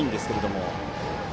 も。